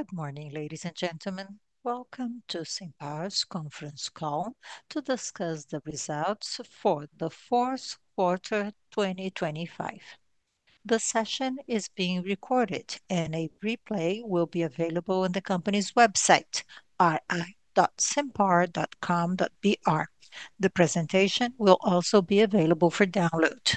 Good morning, ladies and gentlemen. Welcome to Simpar's conference call to discuss the results for the fourth quarter 2025. The session is being recorded and a replay will be available on the company's website, ri.simpar.com.br. The presentation will also be available for download.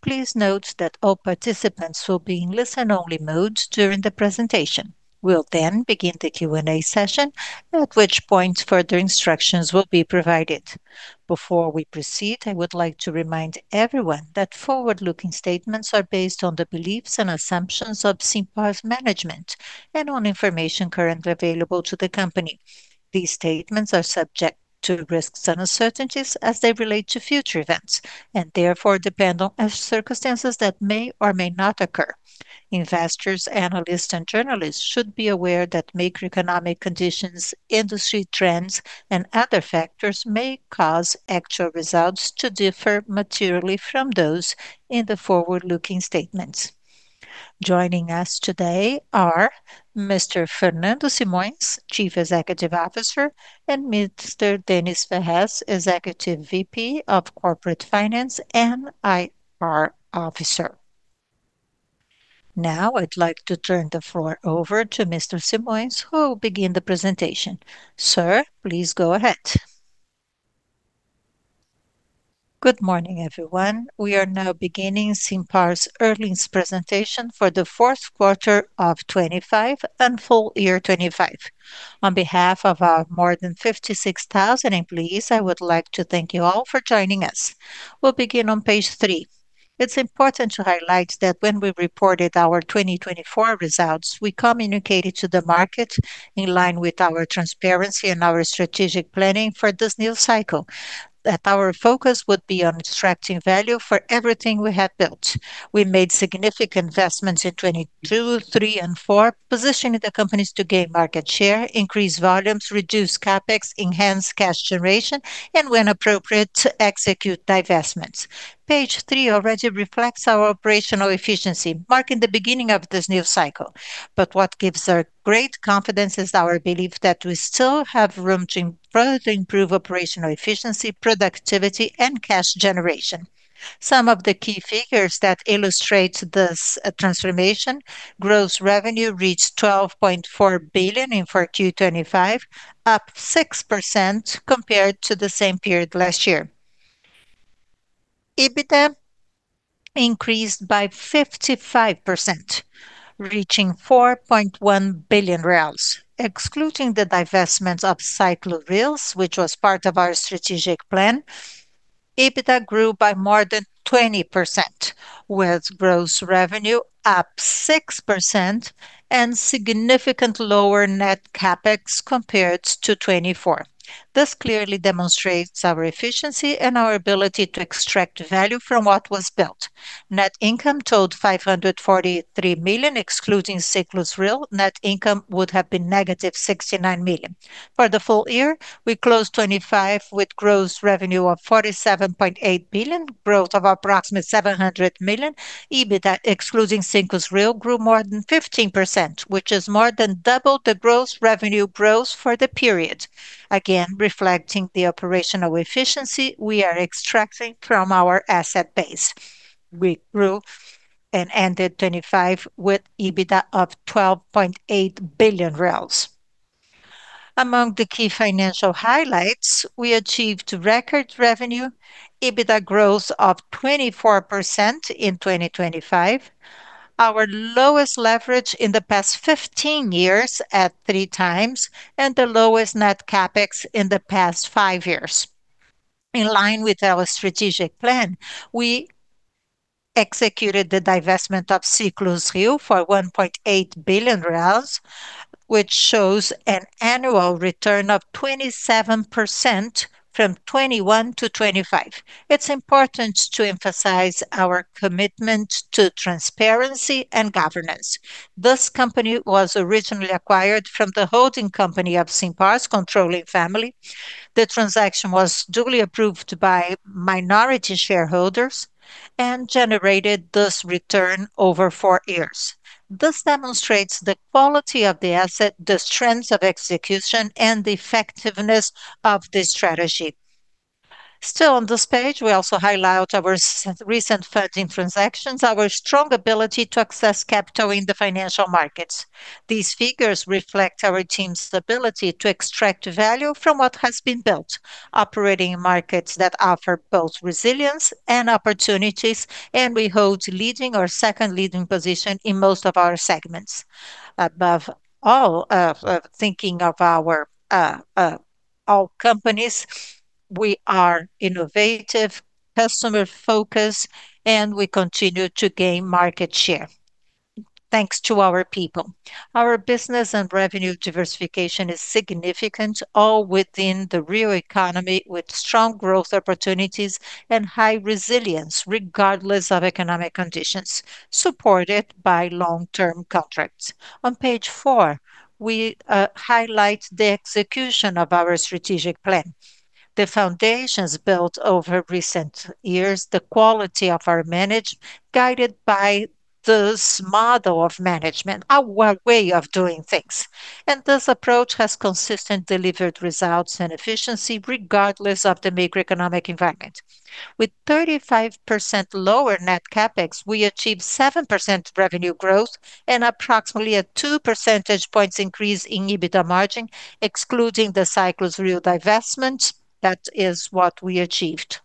Please note that all participants will be in listen-only mode during the presentation. We'll then begin the Q&A session, at which point further instructions will be provided. Before we proceed, I would like to remind everyone that forward-looking statements are based on the beliefs and assumptions of Simpar's management and on information currently available to the company. These statements are subject to risks and uncertainties as they relate to future events, and therefore depend on circumstances that may or may not occur. Investors, analysts, and journalists should be aware that macroeconomic conditions, industry trends, and other factors may cause actual results to differ materially from those in the forward-looking statements. Joining us today are Mr. Fernando Simões, Chief Executive Officer, and Mr. Denys Ferrez, Executive VP of Corporate Finance and IR Officer. Now, I'd like to turn the floor over to Mr. Simões, who will begin the presentation. Sir, please go ahead. Good morning, everyone. We are now beginning Simpar's earnings presentation for the fourth quarter of 2025 and full year 2025. On behalf of our more than 56,000 employees, I would like to thank you all for joining us. We'll begin on page three. It's important to highlight that when we reported our 2024 results, we communicated to the market in line with our transparency and our strategic planning for this new cycle that our focus would be on extracting value for everything we have built. We made significant investments in 2022, 2023, and 2024, positioning the companies to gain market share, increase volumes, reduce CapEx, enhance cash generation, and when appropriate, to execute divestments. Page three already reflects our operational efficiency, marking the beginning of this new cycle. What gives us great confidence is our belief that we still have room to further improve operational efficiency, productivity, and cash generation. Some of the key figures that illustrate this transformation, gross revenue reached 12.4 billion in 4Q 2025, up 6% compared to the same period last year. EBITDA increased by 55%, reaching 4.1 billion reais. Excluding the divestment of Ciclus Rio, which was part of our strategic plan, EBITDA grew by more than 20%, with gross revenue up 6% and significant lower net CapEx compared to 2024. This clearly demonstrates our efficiency and our ability to extract value from what was built. Net income totaled 543 million. Excluding Ciclus Rio, net income would have been -69 million. For the full year, we closed 2025 with gross revenue of 47.8 billion, growth of approximately 700 million. EBITDA, excluding Ciclus Rio, grew more than 15%, which is more than double the gross revenue growth for the period. Again, reflecting the operational efficiency we are extracting from our asset base. We grew and ended 2025 with EBITDA of 12.8 billion. Among the key financial highlights, we achieved record revenue, EBITDA growth of 24% in 2025, our lowest leverage in the past 15 years at 3x, and the lowest net CapEx in the past five years. In line with our strategic plan, we executed the divestment of Ciclus Rio for BRL 1.8 billion, which shows an annual return of 27% from 2021 to 2025. It's important to emphasize our commitment to transparency and governance. This company was originally acquired from the holding company of Simpar's controlling family. The transaction was duly approved by minority shareholders and generated this return over four years. This demonstrates the quality of the asset, the strength of execution, and the effectiveness of this strategy. Still on this page, we also highlight our recent funding transactions, our strong ability to access capital in the financial markets. These figures reflect our team's ability to extract value from what has been built, operating in markets that offer both resilience and opportunities, and we hold leading or second leading position in most of our segments. Above all, thinking of our companies, we are innovative, customer-focused, and we continue to gain market share. Thanks to our people. Our business and revenue diversification is significant, all within the real economy, with strong growth opportunities and high resilience regardless of economic conditions, supported by long-term contracts. On page four, we highlight the execution of our strategic plan. The foundations built over recent years, the quality of our management, guided by this model of management, our way of doing things. This approach has consistently delivered results and efficiency regardless of the macroeconomic environment. With 35% lower net CapEx, we achieved 7% revenue growth and approximately a 2 percentage points increase in EBITDA margin, excluding the Ciclus Rio divestment. That is what we achieved.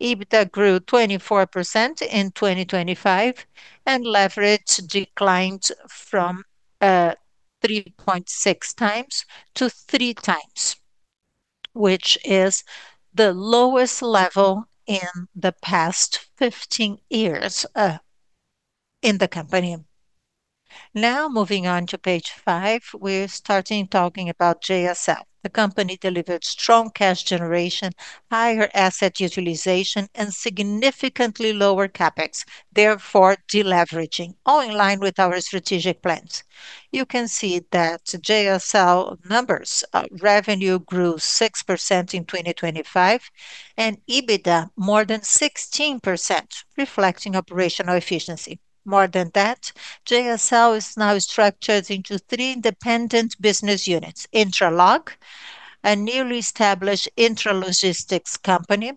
EBITDA grew 24% in 2025, and leverage declined from 3.6x to 3x, which is the lowest level in the past 15 years in the company. Now moving on to page five, we're starting talking about JSL. The company delivered strong cash generation, higher asset utilization, and significantly lower CapEx, therefore de-leveraging, all in line with our strategic plans. You can see that JSL numbers, revenue grew 6% in 2025, and EBITDA more than 16%, reflecting operational efficiency. More than that, JSL is now structured into three independent business units: Integra, a newly established intralogistics company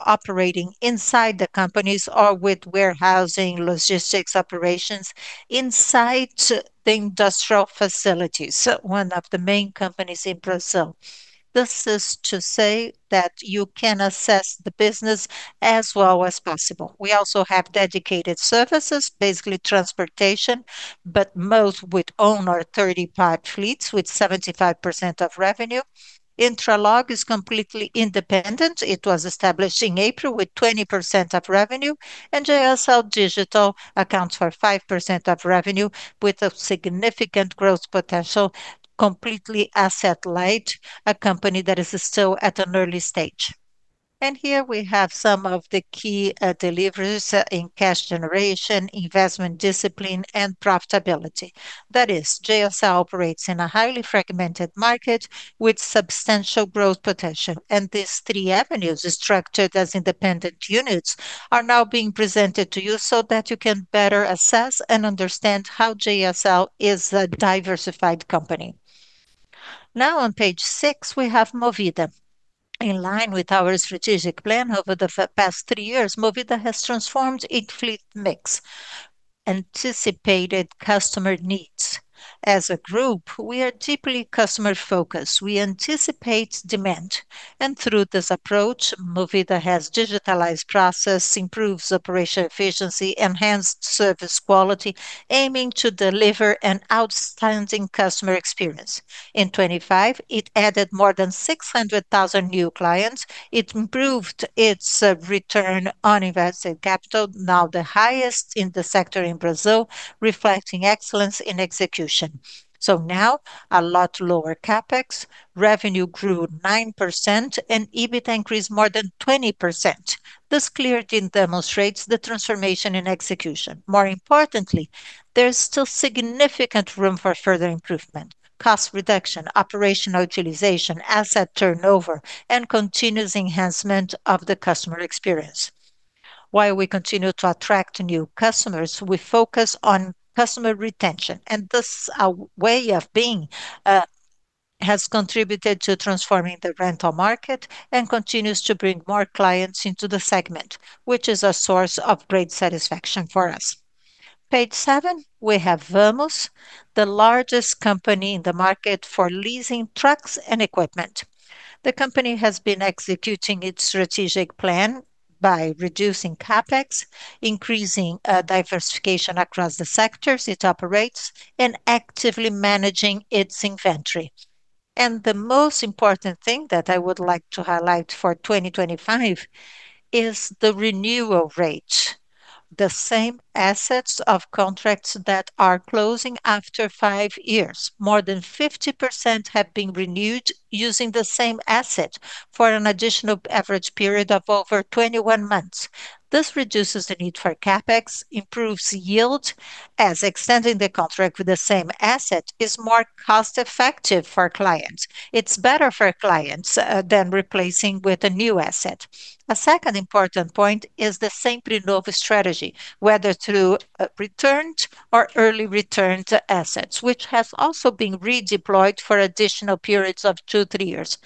operating inside the companies or with warehousing logistics operations inside the industrial facilities, one of the main companies in Brazil. This is to say that you can assess the business as well as possible. We also have dedicated services, basically transportation, but most with owner 35 fleets with 75% of revenue. Integra is completely independent. It was established in April with 20% of revenue. JSL Digital accounts for 5% of revenue with a significant growth potential, completely asset light, a company that is still at an early stage. Here we have some of the key deliveries in cash generation, investment discipline, and profitability. That is, JSL operates in a highly fragmented market with substantial growth potential. These three avenues is structured as independent units are now being presented to you so that you can better assess and understand how JSL is a diversified company. Now on page six, we have Movida. In line with our strategic plan over the past three years, Movida has transformed its fleet mix, anticipated customer needs. As a group, we are deeply customer-focused. We anticipate demand. Through this approach, Movida has digitalized process, improves operational efficiency, enhanced service quality, aiming to deliver an outstanding customer experience. In 2025, it added more than 600,000 new clients. It improved its return on invested capital, now the highest in the sector in Brazil, reflecting excellence in execution. Now a lot lower CapEx, revenue grew 9%, and EBITDA increased more than 20%. This clearly demonstrates the transformation in execution. More importantly, there's still significant room for further improvement, cost reduction, operational utilization, asset turnover, and continuous enhancement of the customer experience. While we continue to attract new customers, we focus on customer retention, and this, our way of being, has contributed to transforming the rental market and continues to bring more clients into the segment, which is a source of great satisfaction for us. Page seven, we have Vamos, the largest company in the market for leasing trucks and equipment. The company has been executing its strategic plan by reducing CapEx, increasing diversification across the sectors it operates, and actively managing its inventory. The most important thing that I would like to highlight for 2025 is the renewal rate. The same assets of contracts that are closing after five years. More than 50% have been renewed using the same asset for an additional average period of over 21 months. This reduces the need for CapEx, improves yield, as extending the contract with the same asset is more cost-effective for clients. It's better for clients than replacing with a new asset. A second important point is the Sempre Novo strategy, whether through returned or early returned assets, which has also been redeployed for additional periods of two, three years.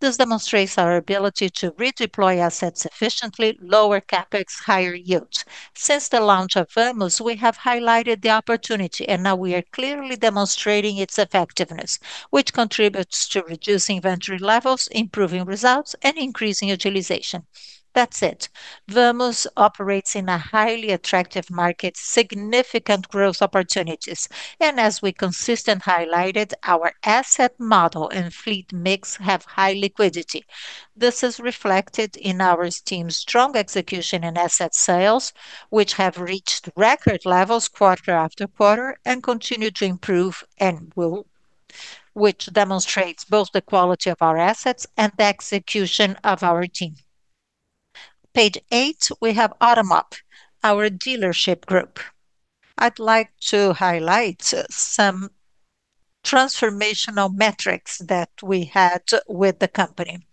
This demonstrates our ability to redeploy assets efficiently, lower CapEx, higher yields. Since the launch of Vamos, we have highlighted the opportunity, and now we are clearly demonstrating its effectiveness, which contributes to reducing inventory levels, improving results, and increasing utilization. That's it. Vamos operates in a highly attractive market with significant growth opportunities. As we consistently highlighted, our asset model and fleet mix have high liquidity. This is reflected in our team's strong execution and asset sales, which have reached record levels quarter after quarter and continue to improve and will, which demonstrates both the quality of our assets and the execution of our team. Page eight, we have Automob, our dealership group. I'd like to highlight some transformational metrics that we had with the company,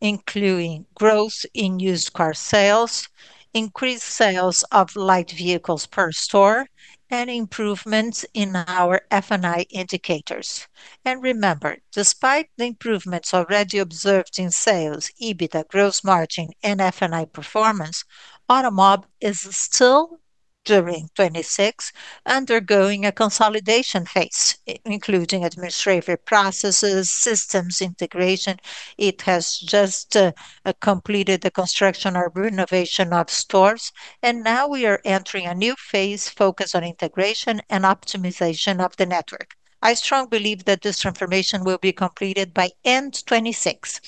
including growth in used car sales, increased sales of light vehicles per store, and improvements in our F&I indicators. Remember, despite the improvements already observed in sales, EBITDA, gross margin, and F&I performance, Automob is still, during 2026, undergoing a consolidation phase, including administrative processes, systems integration. It has just completed the construction or renovation of stores, and now we are entering a new phase focused on integration and optimization of the network. I strongly believe that this transformation will be completed by end 2026,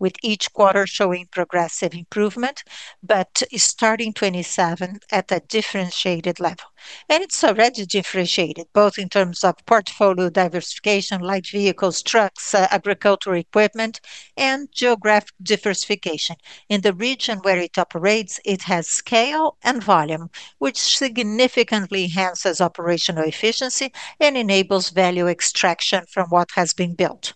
with each quarter showing progressive improvement, but starting 2027 at a differentiated level. It's already differentiated, both in terms of portfolio diversification, light vehicles, trucks, agricultural equipment, and geographic diversification. In the region where it operates, it has scale and volume, which significantly enhances operational efficiency and enables value extraction from what has been built.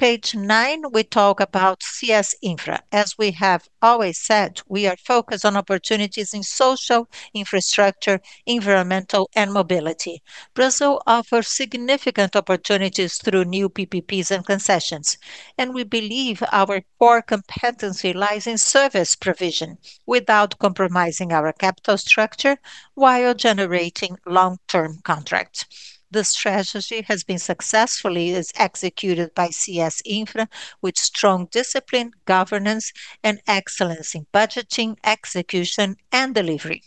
Page nine, we talk about CS Infra. As we have always said, we are focused on opportunities in social infrastructure, environmental, and mobility. Brazil offers significant opportunities through new PPPs and concessions, and we believe our core competency lies in service provision without compromising our capital structure while generating long-term contracts. This strategy has been successfully executed by CS Infra with strong discipline, governance, and excellence in budgeting, execution, and delivery.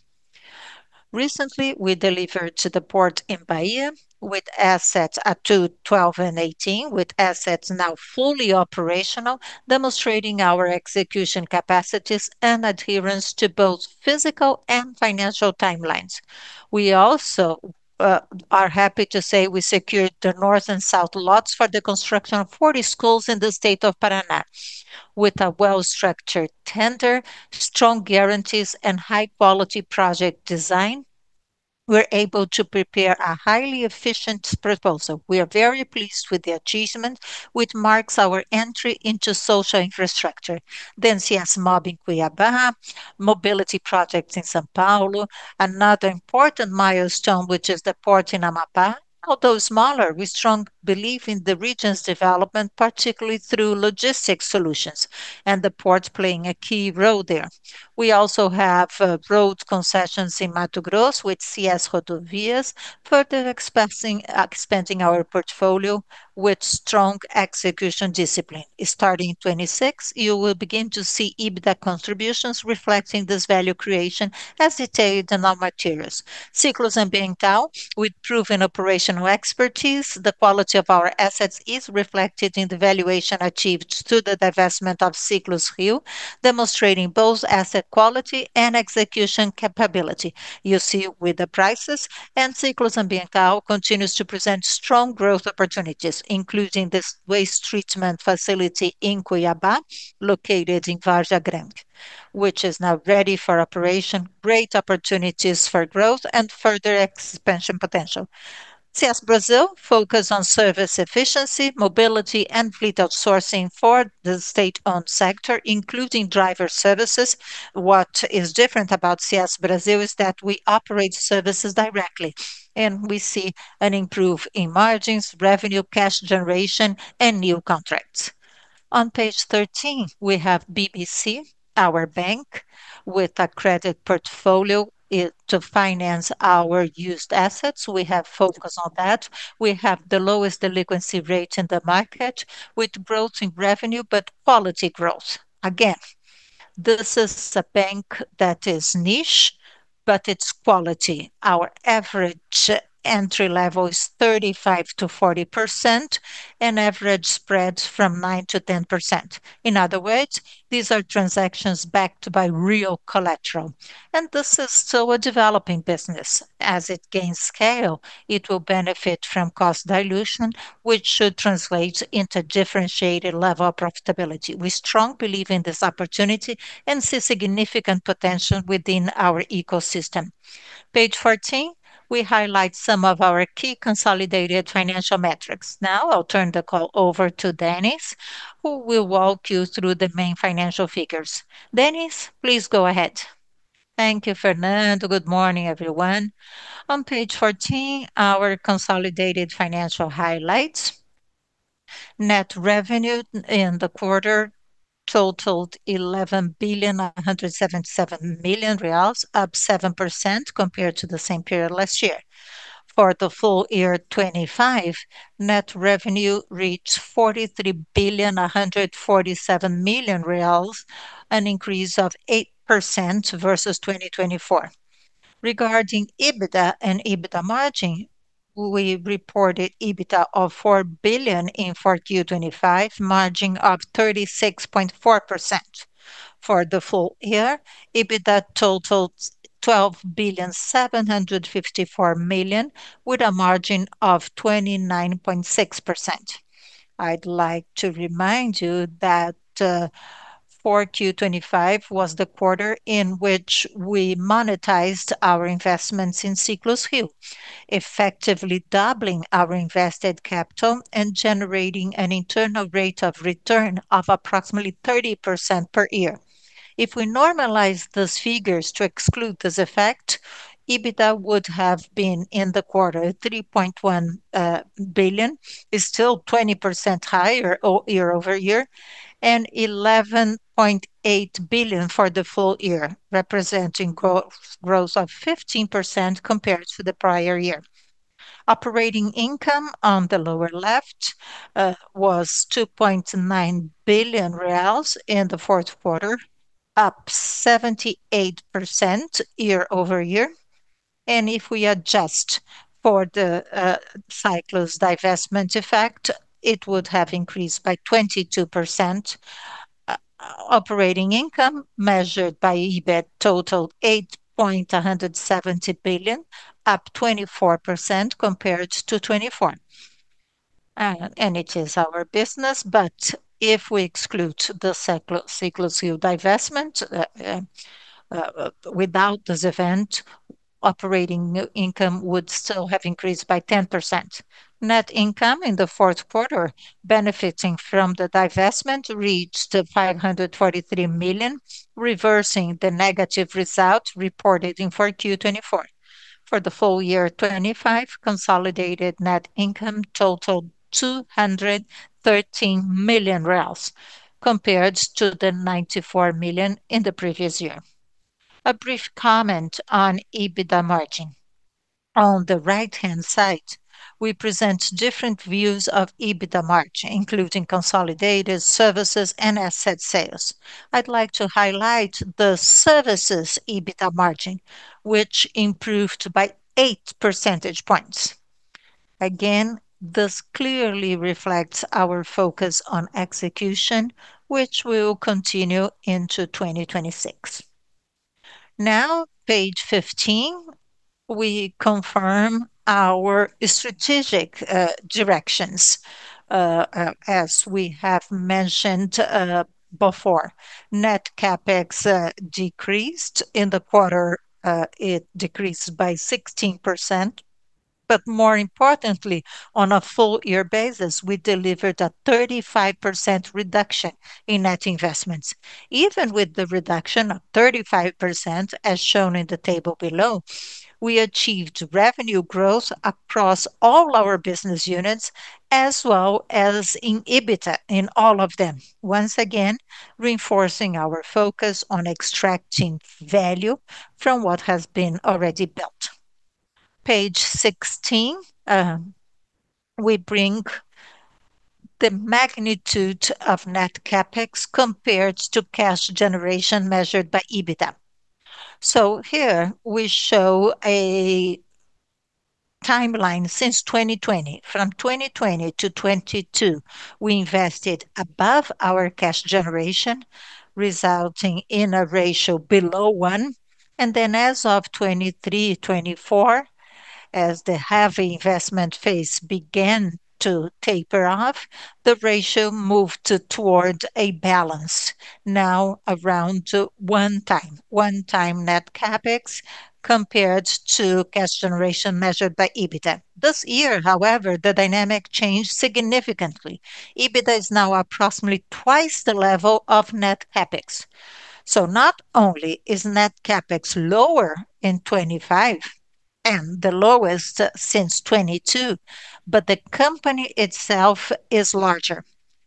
Recently, we delivered to the port in Bahia with assets at 2, 12, and 18, with assets now fully operational, demonstrating our execution capacities and adherence to both physical and financial timelines. We also are happy to say we secured the north and south lots for the construction of 40 schools in the state of Paraná. With a well-structured tender, strong guarantees, and high-quality project design, we're able to prepare a highly efficient proposal. We are very pleased with the achievement, which marks our entry into social infrastructure. CS Mobi in Cuiabá, mobility projects in São Paulo. Another important milestone, which is the port in Amapá. Although smaller, we strongly believe in the region's development, particularly through logistics solutions and the port playing a key role there. We also have road concessions in Mato Grosso with CS Rodovias, further expanding our portfolio with strong execution discipline. Starting in 2026, you will begin to see EBITDA contributions reflecting this value creation as detailed in our materials. Ciclus Ambiental, with proven operational expertise. The quality of our assets is reflected in the valuation achieved through the divestment of Ciclus Rio, demonstrating both asset quality and execution capability. You see with the prices and Ciclus Ambiental continues to present strong growth opportunities, including this waste treatment facility in Cuiabá, located in Várzea Grande, which is now ready for operation. Great opportunities for growth and further expansion potential. CS Brasil focus on service efficiency, mobility, and fleet outsourcing for the state-owned sector, including driver services. What is different about CS Brasil is that we operate services directly, and we see an improvement in margins, revenue, cash generation, and new contracts. On page 13, we have BBC, our bank, with a credit portfolio to finance our used assets. We have focus on that. We have the lowest delinquency rate in the market with growth in revenue, but quality growth. Again, this is a bank that is niche, but it's quality. Our average entry level is 35%-40% and average spreads from 9%-10%. In other words, these are transactions backed by real collateral. This is still a developing business. As it gains scale, it will benefit from cost dilution, which should translate into differentiated level of profitability. We strongly believe in this opportunity and see significant potential within our ecosystem. Page 14, we highlight some of our key consolidated financial metrics. Now I'll turn the call over to Denys, who will walk you through the main financial figures. Denys, please go ahead. Thank you, Fernando. Good morning, everyone. On page 14, our consolidated financial highlights. Net revenue in the quarter totaled BRL 11.977 billion, up 7% compared to the same period last year. For the full year 2025, net revenue reached 43.147 billion, an increase of 8% versus 2024. Regarding EBITDA and EBITDA margin, we reported EBITDA of 4 billion in Q4 2025, margin of 36.4%. For the full year, EBITDA totaled 12.754 billion, with a margin of 29.6%. I'd like to remind you that Q4 2025 was the quarter in which we monetized our investments in Ciclus Rio, effectively doubling our invested capital and generating an internal rate of return of approximately 30% per year. If we normalize those figures to exclude this effect, EBITDA would have been in the quarter 3.1 billion. It's still 20% higher year-over-year, and 11.8 billion for the full year, representing growth of 15% compared to the prior year. Operating income, on the lower left, was 2.9 billion reais in the fourth quarter, up 78% year-over-year. If we adjust for the Ciclus divestment effect, it would have increased by 22%. Operating income measured by EBIT totaled 8.17 billion, up 24% compared to 2024. It is our business. If we exclude the Ciclus divestment, without this event, operating income would still have increased by 10%. Net income in the fourth quarter, benefiting from the divestment, reached 543 million, reversing the negative results reported in 4Q 2024. For the full year 2025, consolidated net income totaled 213 million reais compared to 94 million in the previous year. A brief comment on EBITDA margin. On the right-hand side, we present different views of EBITDA margin, including consolidated services and asset sales. I'd like to highlight the services EBITDA margin, which improved by 8 percentage points. Again, this clearly reflects our focus on execution, which will continue into 2026. Now page 15, we confirm our strategic directions as we have mentioned before. Net CapEx decreased. In the quarter, it decreased by 16%. More importantly, on a full year basis, we delivered a 35% reduction in net investments. Even with the reduction of 35%, as shown in the table below, we achieved revenue growth across all our business units as well as in EBITDA in all of them. Once again, reinforcing our focus on extracting value from what has been already built. Page 16, we bring the magnitude of net CapEx compared to cash generation measured by EBITDA. So here we show a timeline since 2020. From 2020-2022, we invested above our cash generation, resulting in a ratio below 1. As of 2023, 2024, as the heavy investment phase began to taper off, the ratio moved towards a balance, now around 1x net CapEx compared to cash generation measured by EBITDA. This year, however, the dynamic changed significantly. EBITDA is now approximately 2x the level of net CapEx. Not only is net CapEx lower in 2025, and the lowest since 2022, but the company itself is larger.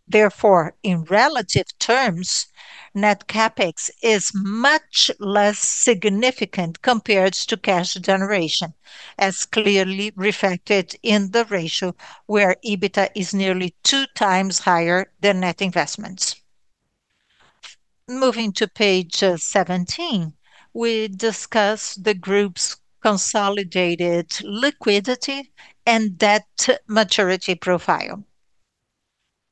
Therefore, in relative terms, net CapEx is much less significant compared to cash generation, as clearly reflected in the ratio where EBITDA is nearly 2x higher than net investments. Moving to page 17, we discuss the group's consolidated liquidity and debt maturity profile.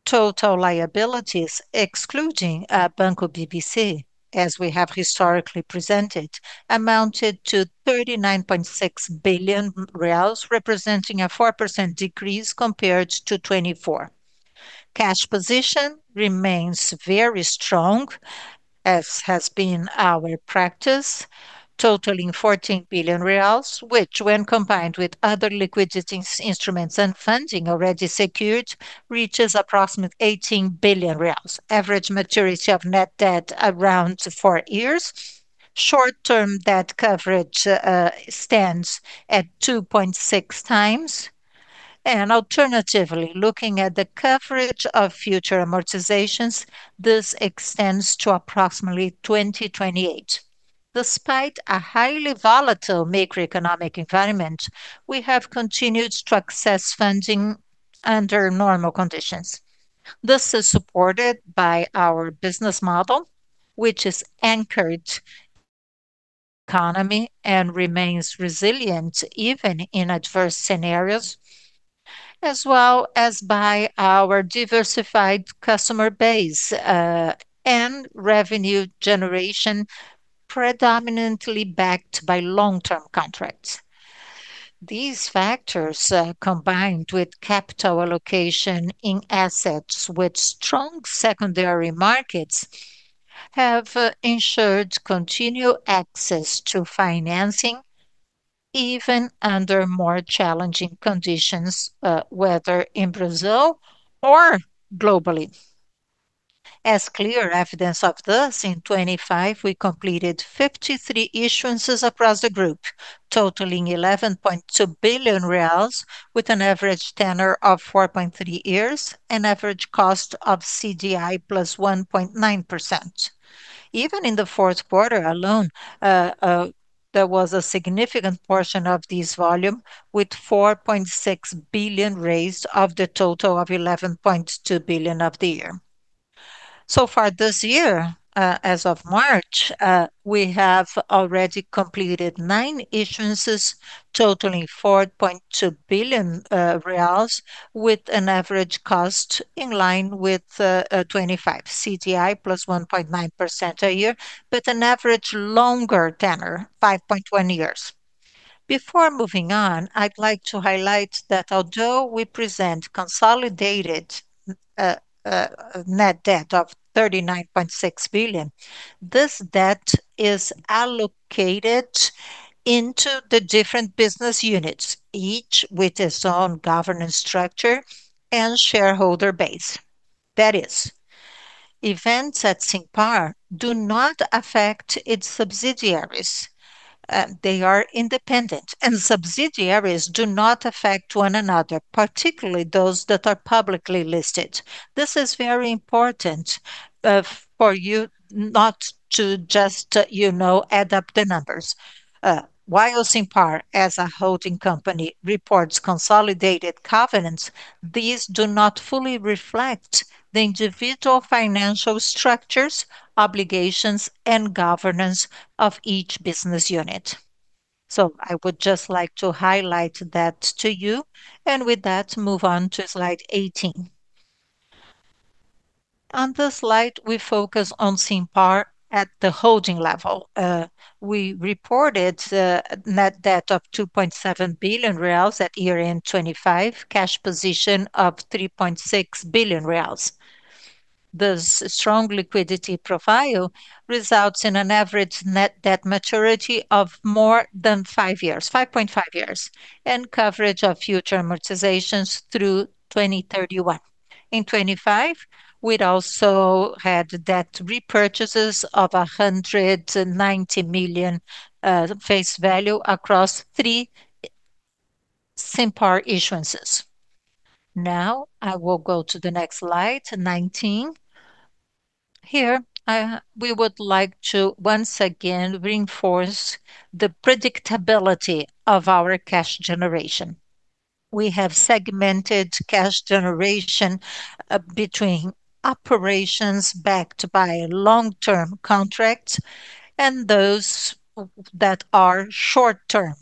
Total liabilities, excluding Banco BBC, as we have historically presented, amounted to 39.6 billion reais, representing a 4% decrease compared to 2024. Cash position remains very strong, as has been our practice, totaling 14 billion reais, which when combined with other liquidity instruments and funding already secured, reaches approximately 18 billion reais. Average maturity of net debt around four years. Short-term debt coverage stands at 2.6x. Alternatively, looking at the coverage of future amortizations, this extends to approximately 2028. Despite a highly volatile macroeconomic environment, we have continued to access funding under normal conditions. This is supported by our business model, which is anchored in the economy and remains resilient even in adverse scenarios, as well as by our diversified customer base and revenue generation predominantly backed by long-term contracts. These factors combined with capital allocation in assets with strong secondary markets have ensured continued access to financing even under more challenging conditions whether in Brazil or globally. As clear evidence of this, in 2025, we completed 53 issuances across the group, totaling 11.2 billion reais, with an average tenor of 4.3 years, an average cost of CDI plus 1.9%. Even in the fourth quarter alone, there was a significant portion of this volume, with 4.6 billion raised of the total of 11.2 billion of the year. So far this year, as of March, we have already completed 9 issuances totaling 4.2 billion reals with an average cost in line with 25 CDI plus 1.9% a year, but an average longer tenor, 5.1 years. Before moving on, I'd like to highlight that although we present consolidated net debt of 39.6 billion, this debt is allocated into the different business units, each with its own governance structure and shareholder base. That is, events at Simpar do not affect its subsidiaries. They are independent, and subsidiaries do not affect one another, particularly those that are publicly listed. This is very important, for you not to just, you know, add up the numbers. While Simpar, as a holding company, reports consolidated governance, these do not fully reflect the individual financial structures, obligations, and governance of each business unit. I would just like to highlight that to you. With that, move on to slide 18. On this slide, we focus on Simpar at the holding level. We reported net debt of 2.7 billion reais at year-end 2025, cash position of 3.6 billion reais. This strong liquidity profile results in an average net debt maturity of more than five years, 5.5 years, and coverage of future amortizations through 2031. In 2025, we'd also had debt repurchases of 190 million face value across three Simpar issuances. Now I will go to the next slide, 19. Here, we would like to once again reinforce the predictability of our cash generation. We have segmented cash generation between operations backed by long-term contracts and those that are short-term,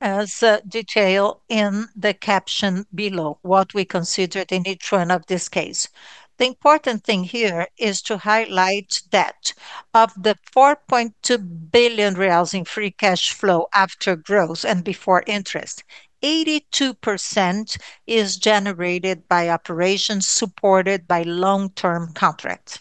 as detailed in the caption below, what we considered in each one of this case. The important thing here is to highlight that of the 4.2 billion reais in free cash flow after gross and before interest, 82% is generated by operations supported by long-term contracts.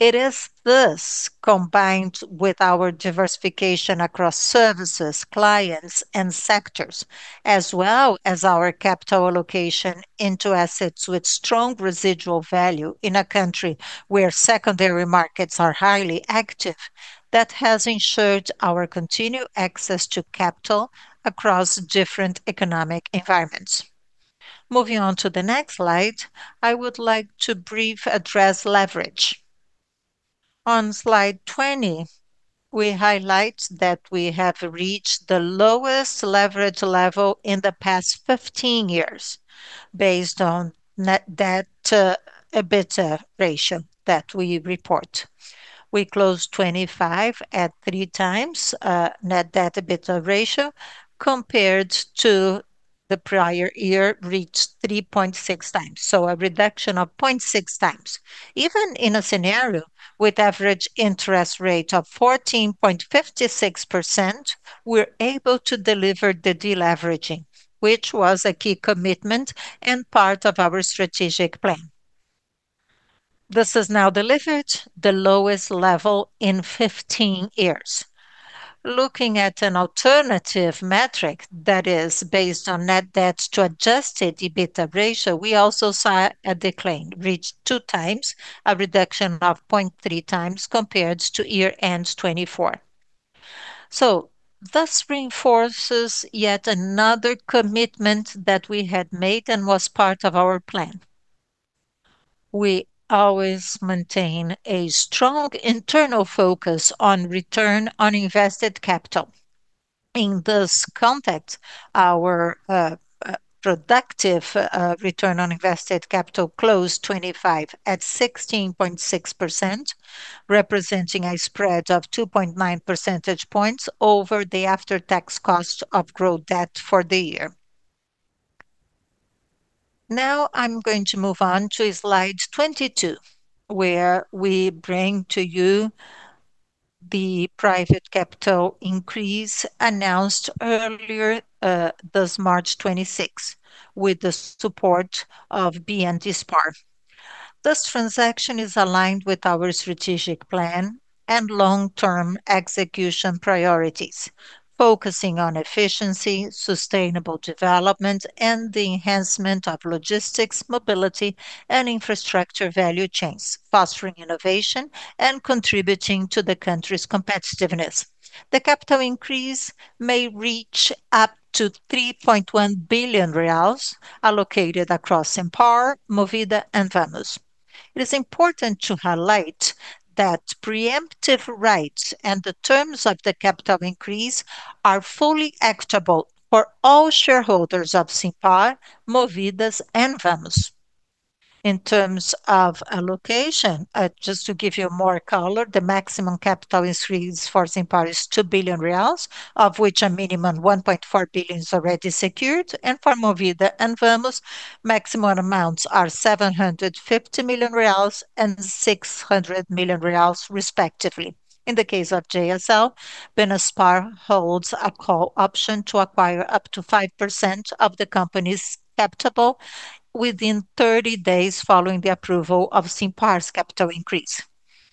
It is this, combined with our diversification across services, clients, and sectors, as well as our capital allocation into assets with strong residual value in a country where secondary markets are highly active, that has ensured our continued access to capital across different economic environments. Moving on to the next slide, I would like to briefly address leverage. On slide 20, we highlight that we have reached the lowest leverage level in the past 15 years based on net debt to EBITDA ratio that we report. We closed 2025 at 3x net debt to EBITDA ratio, compared to the prior year reached 3.6x. This is a reduction of 0.6x. Even in a scenario with average interest rate of 14.56%, we're able to deliver the deleveraging, which was a key commitment and part of our strategic plan. This has now delivered the lowest level in 15 years. Looking at an alternative metric that is based on net debt to adjusted EBITDA ratio, we also saw a decline, reached 2x, a reduction of 0.3x compared to year-end 2024. This reinforces yet another commitment that we had made and was part of our plan. We always maintain a strong internal focus on return on invested capital. In this context, our projected return on invested capital closed 2025 at 16.6%, representing a spread of 2.9 percentage points over the after-tax cost of gross debt for the year. Now I'm going to move on to slide 22, where we bring to you the private capital increase announced earlier this March 26, with the support of BNDESPAR. This transaction is aligned with our strategic plan and long-term execution priorities, focusing on efficiency, sustainable development, and the enhancement of logistics, mobility, and infrastructure value chains, fostering innovation and contributing to the country's competitiveness. The capital increase may reach up to 3.1 billion reais allocated across Simpar, Movida, and Vamos. It is important to highlight that preemptive rights and the terms of the capital increase are fully equitable for all shareholders of Simpar, Movida, and Vamos. In terms of allocation, just to give you more color, the maximum capital increase for Simpar is 2 billion reais, of which a minimum 1.4 billion is already secured. For Movida and Vamos, maximum amounts are 750 million reais and 600 million reais respectively. In the case of JSL, BNDESPAR holds a call option to acquire up to 5% of the company's capital within 30 days following the approval of Simpar's capital increase.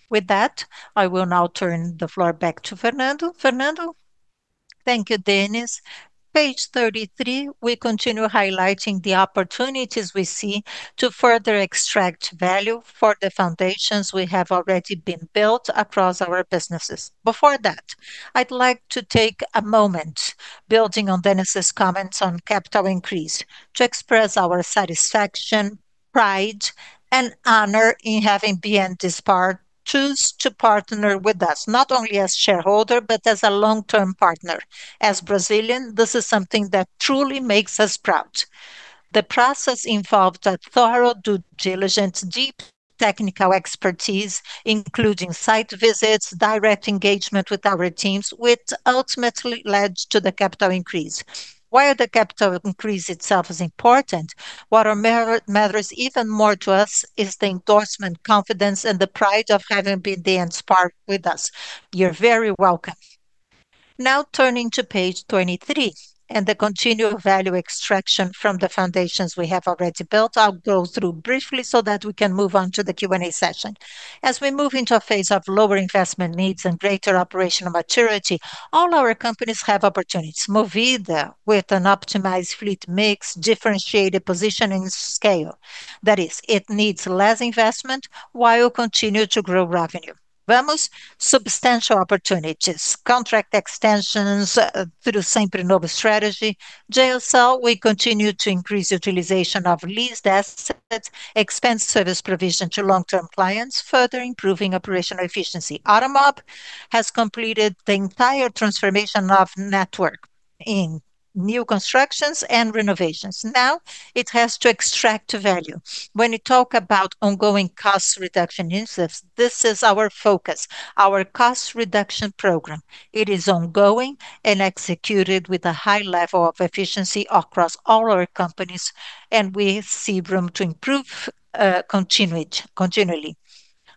With that, I will now turn the floor back to Fernando. Fernando. Thank you, Denys. Page 33, we continue highlighting the opportunities we see to further extract value for the foundations we have already built across our businesses. Before that, I'd like to take a moment, building on Denys' comments on capital increase, to express our satisfaction, pride, and honor in having BNDESPAR choose to partner with us, not only as shareholder but as a long-term partner. As Brazilians, this is something that truly makes us proud. The process involved a thorough due diligence, deep technical expertise, including site visits, direct engagement with our teams, which ultimately led to the capital increase. While the capital increase itself is important, what matters even more to us is the endorsement, confidence, and the pride of having BNDESPAR with us. You're very welcome. Now turning to page 23 and the continued value extraction from the foundations we have already built. I'll go through briefly so that we can move on to the Q&A session. As we move into a phase of lower investment needs and greater operational maturity, all our companies have opportunities. Movida, with an optimized fleet mix, differentiated positioning scale. That is, it needs less investment while continue to grow revenue. Vamos, substantial opportunities. Contract extensions through Sempre Novo strategy. JSL, we continue to increase utilization of leased assets, expanding service provision to long-term clients, further improving operational efficiency. Automob has completed the entire transformation of network in new constructions and renovations. Now it has to extract value. When you talk about ongoing cost reduction initiatives, this is our focus, our cost reduction program. It is ongoing and executed with a high level of efficiency across all our companies, and we see room to improve continually.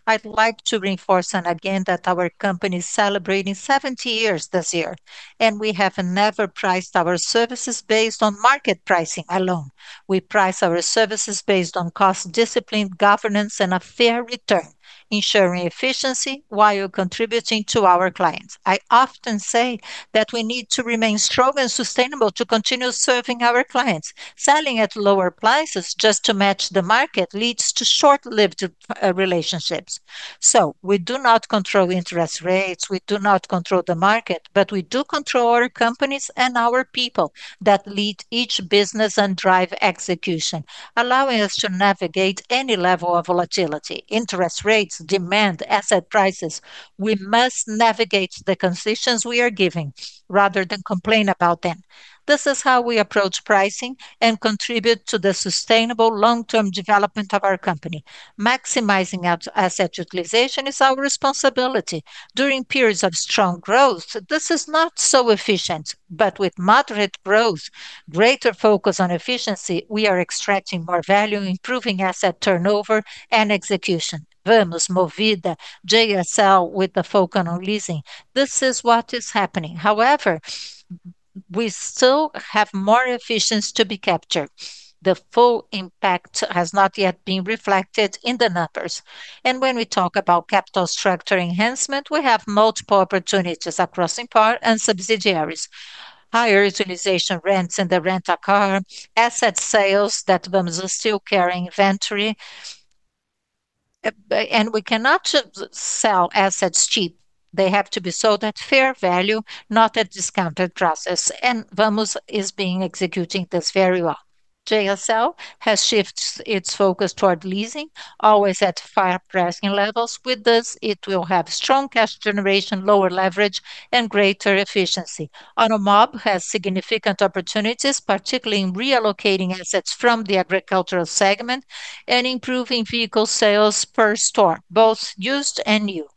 I'd like to reinforce again that our company is celebrating 70 years this year, and we have never priced our services based on market pricing alone. We price our services based on cost discipline, governance, and a fair return, ensuring efficiency while contributing to our clients. I often say that we need to remain strong and sustainable to continue serving our clients. Selling at lower prices just to match the market leads to short-lived relationships. We do not control interest rates, we do not control the market, but we do control our companies and our people that lead each business and drive execution, allowing us to navigate any level of volatility, interest rates, demand, asset prices. We must navigate the concessions we are given rather than complain about them. This is how we approach pricing and contribute to the sustainable long-term development of our company. Maximizing asset utilization is our responsibility. During periods of strong growth, this is not so efficient. With moderate growth, greater focus on efficiency, we are extracting more value, improving asset turnover and execution. Vamos, Movida, JSL, with the focus on leasing, this is what is happening. However, we still have more efficiency to be captured. The full impact has not yet been reflected in the numbers. When we talk about capital structure enhancement, we have multiple opportunities across Simpar and subsidiaries. Higher utilization rents in the rent-a-car, asset sales that Vamos is still carrying inventory, we cannot sell assets cheap. They have to be sold at fair value, not at discounted prices. Vamos is executing this very well. JSL has shifted its focus toward leasing, always at fair pricing levels. With this, it will have strong cash generation, lower leverage, and greater efficiency. Automob has significant opportunities, particularly in reallocating assets from the agricultural segment and improving vehicle sales per store, both used and new.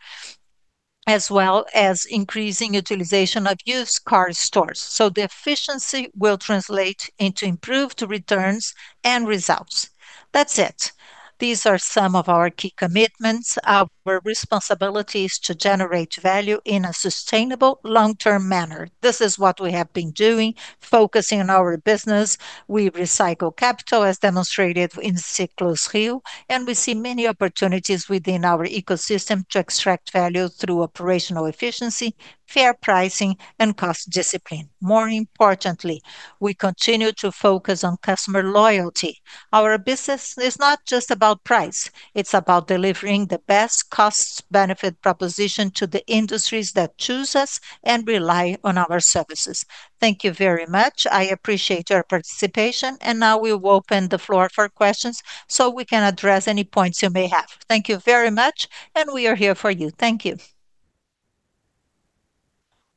As well as increasing utilization of used car stores. The efficiency will translate into improved returns and results. That's it. These are some of our key commitments. Our responsibility is to generate value in a sustainable long-term manner. This is what we have been doing, focusing on our business. We recycle capital as demonstrated in Ciclus Rio, and we see many opportunities within our ecosystem to extract value through operational efficiency, fair pricing, and cost discipline. More importantly, we continue to focus on customer loyalty. Our business is not just about price, it's about delivering the best cost benefit proposition to the industries that choose us and rely on our services. Thank you very much. I appreciate your participation, and now we will open the floor for questions so we can address any points you may have. Thank you very much, and we are here for you. Thank you.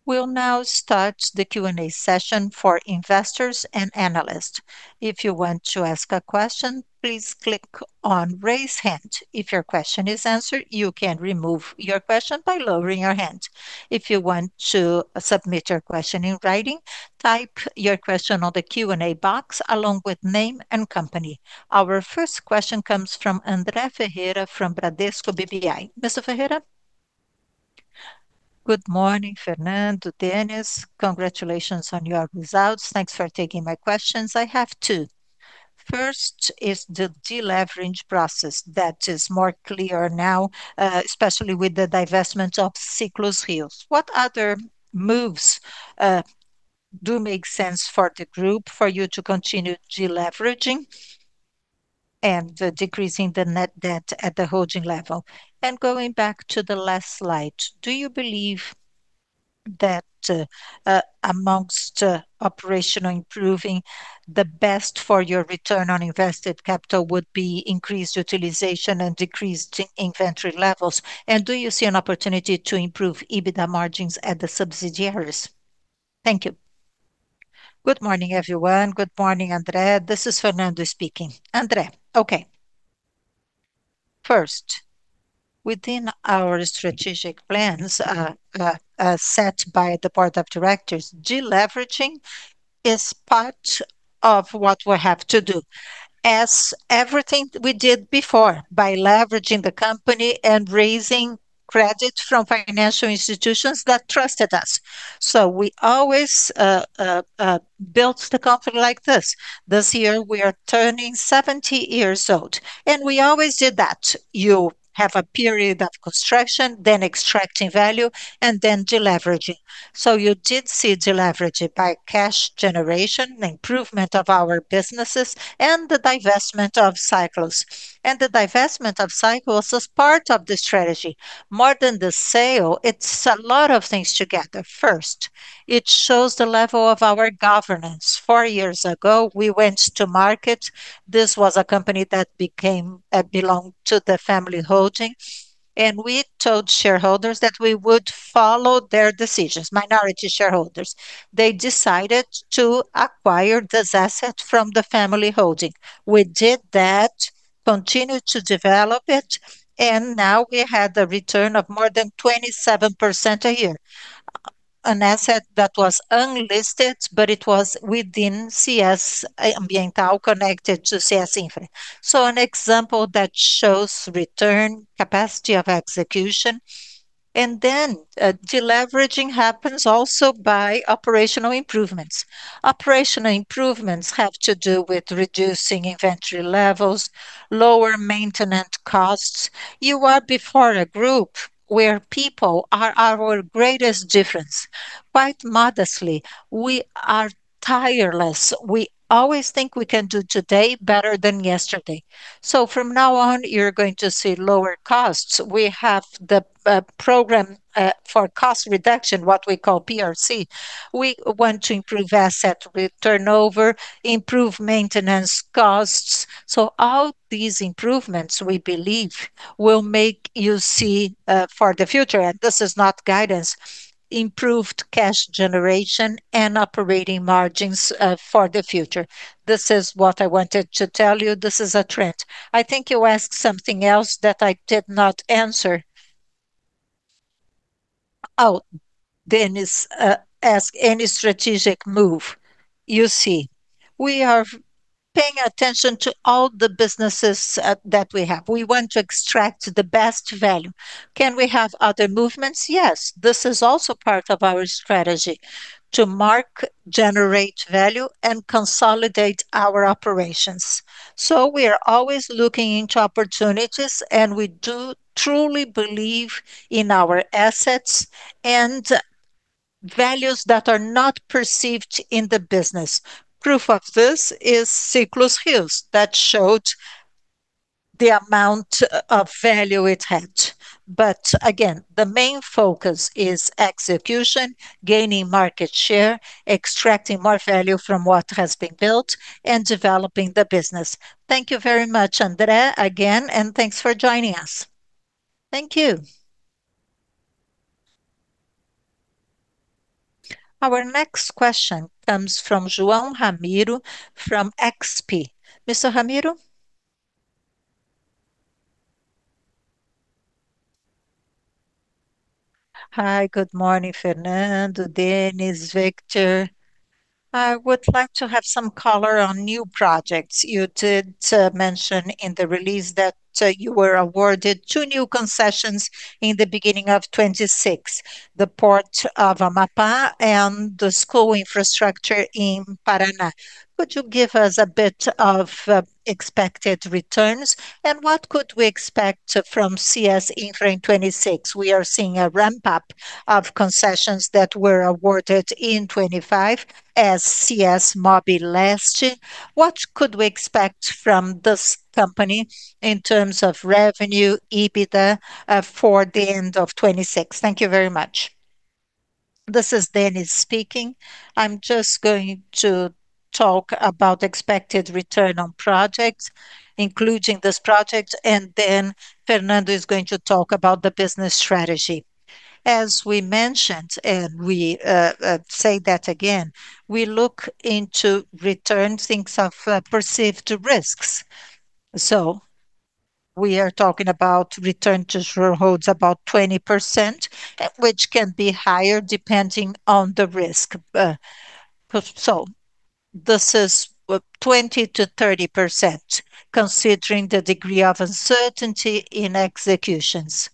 We'll now start the Q&A session for investors and analysts. If you want to ask a question, please click on Raise Hand. If your question is answered, you can remove your question by lowering your hand. If you want to submit your question in writing, type your question on the Q&A box along with name and company. Our first question comes from André Ferreira from Bradesco BBI. Mr. Ferreira. Good morning, Fernando Simões, Denys. Congratulations on your results. Thanks for taking my questions. I have two. First is the deleverage process that is more clear now, especially with the divestment of Ciclus Rio. What other moves do make sense for the group for you to continue deleveraging and decreasing the net debt at the holding level? Going back to the last slide, do you believe that amongst operational improvements the best for your return on invested capital would be increased utilization and decreased inventory levels? Do you see an opportunity to improve EBITDA margins at the subsidiaries? Thank you. Good morning, everyone. Good morning, André. This is Fernando speaking. André, okay. First, within our strategic plans set by the board of directors, deleveraging is part of what we have to do, as everything we did before by leveraging the company and raising credit from financial institutions that trusted us. We always built the company like this. This year we are turning 70 years old, and we always did that. You have a period of construction, then extracting value, and then deleveraging. You did see deleverage by cash generation, improvement of our businesses, and the divestment of Ciclus. The divestment of Ciclus was part of the strategy. More than the sale, it's a lot of things together. First, it shows the level of our governance. Four years ago, we went to market. This was a company that belonged to the family holding. We told shareholders that we would follow their decisions, minority shareholders. They decided to acquire this asset from the family holding. We did that, continued to develop it, and now we had a return of more than 27% a year. An asset that was unlisted, but it was within Ciclus Ambiental connected to CS Infra. An example that shows return, capacity of execution. Deleveraging happens also by operational improvements. Operational improvements have to do with reducing inventory levels, lower maintenance costs. You are before a group where people are our greatest difference. Quite modestly, we are tireless. We always think we can do today better than yesterday. From now on, you're going to see lower costs. We have the program for cost reduction, what we call PRC. We want to improve asset with turnover, improve maintenance costs. All these improvements, we believe, will make you see for the future, and this is not guidance, improved cash generation and operating margins for the future. This is what I wanted to tell you. This is a trend. I think you asked something else that I did not answer. Oh. [Denys], ask any strategic move. You see, we are paying attention to all the businesses that we have. We want to extract the best value. Can we have other movements? Yes. This is also part of our strategy to make, generate value, and consolidate our operations. We are always looking into opportunities, and we do truly believe in our assets and values that are not perceived in the business. Proof of this is Ciclus Rio that showed the amount of value it had. Again, the main focus is execution, gaining market share, extracting more value from what has been built, and developing the business. Thank you very much, André, again, and thanks for joining us. Thank you. Our next question comes from João Ramiro from XP. Mr. Ramiro. Hi, good morning Fernando, Denys, Victor. I would like to have some color on new projects. You did mention in the release that you were awarded two new concessions in the beginning of 2026, the Port of Amapá and the school infrastructure in Paraná. Could you give us a bit of expected returns, and what could we expect from CS Infra in 2026? We are seeing a ramp up of concessions that were awarded in 2025 as CS Mobi last year. What could we expect from this company in terms of revenue, EBITDA, for the end of 2026? Thank you very much. This is Denys speaking. I'm just going to talk about expected return on projects, including this project, and then Fernando is going to talk about the business strategy. As we mentioned, we say that again, we look into return things of perceived risks. We are talking about return to shareholders about 20%, which can be higher depending on the risk. This is 20%-30% considering the degree of uncertainty in executions.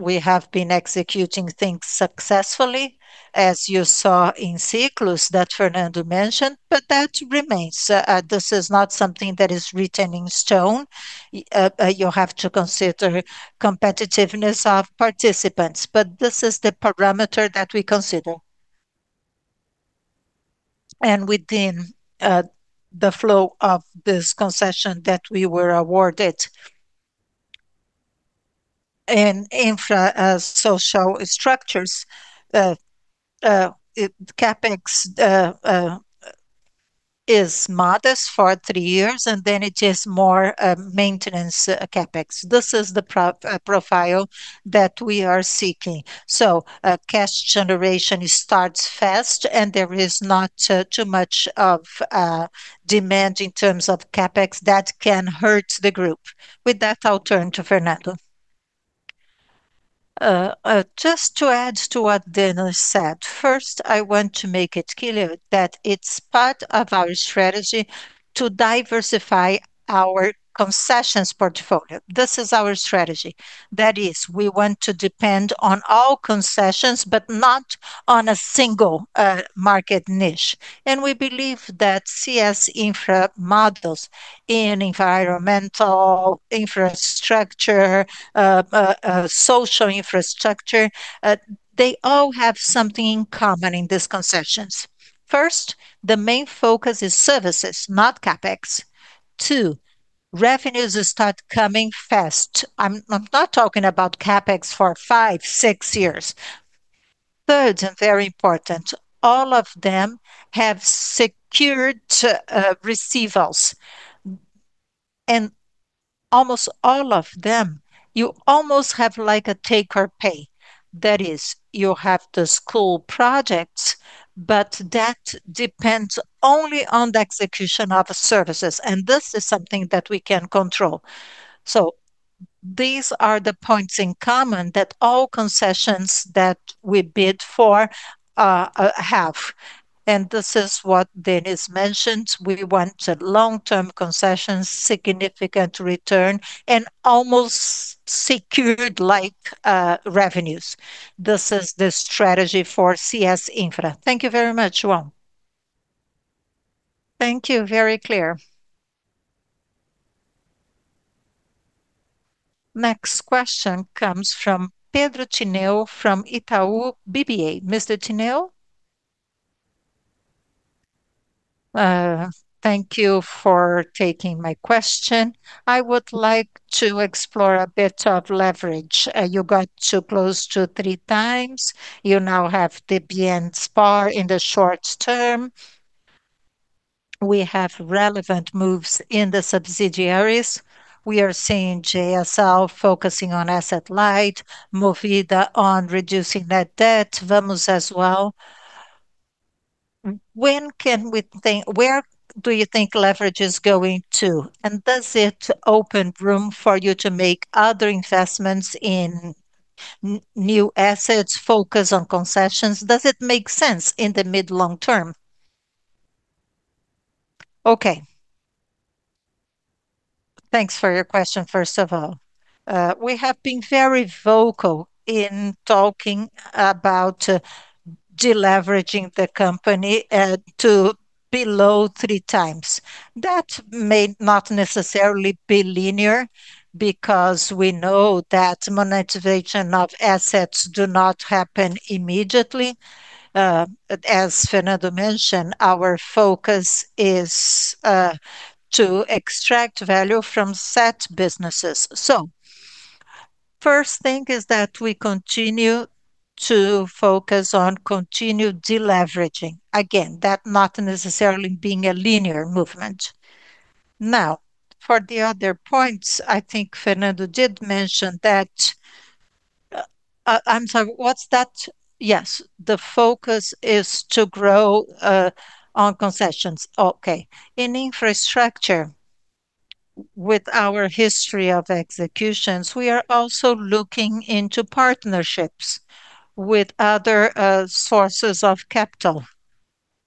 We have been executing things successfully, as you saw in Ciclus that Fernando mentioned, but that remains. This is not something that is written in stone. You have to consider competitiveness of participants, but this is the parameter that we consider. Within the flow of this concession that we were awarded. In infra, social structures, CapEx is modest for three years, and then it is more maintenance CapEx. This is the profile that we are seeking. Cash generation starts fast, and there is not too much of demand in terms of CapEx that can hurt the group. With that, I'll turn to Fernando. Just to add to what Denys said, first, I want to make it clear that it's part of our strategy to diversify our concessions portfolio. This is our strategy. That is, we want to depend on all concessions, but not on a single market niche. We believe that CS Infra models in environmental infrastructure, social infrastructure, they all have something in common in these concessions. First, the main focus is services, not CapEx. Two, revenues start coming fast. I'm not talking about CapEx for five, six years. Third, and very important, all of them have secured receivables. Almost all of them, you almost have like a take or pay. That is, you have the school projects, but that depends only on the execution of services, and this is something that we can control. These are the points in common that all concessions that we bid for have. This is what Denys mentioned. We want long-term concessions, significant return, and almost secured like revenues. This is the strategy for CS Infra. Thank you very much, João. Thank you. Very clear. Next question comes from Pedro Tineo from Itaú BBA. Mr. Tineo. Thank you for taking my question. I would like to explore a bit of leverage. You got to close to 3x. You now have the BNDESPAR in the short term. We have relevant moves in the subsidiaries. We are seeing JSL focusing on asset light, Movida on reducing net debt, Vamos as well. Where do you think leverage is going to, and does it open room for you to make other investments in new assets, focus on concessions? Does it make sense in the mid-long term? Okay. Thanks for your question, first of all. We have been very vocal in talking about de-leveraging the company to below 3x. That may not necessarily be linear because we know that monetization of assets do not happen immediately. As Fernando mentioned, our focus is to extract value from asset businesses. First thing is that we continue to focus on continued de-leveraging. Again, that not necessarily being a linear movement. Now, for the other points, I think Fernando did mention that. I'm sorry, what's that? Yes, the focus is to grow on concessions. Okay. In infrastructure, with our history of executions, we are also looking into partnerships with other sources of capital,